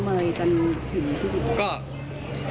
เพราะตอนนี้ส่งน้องเมย์จนถึงที่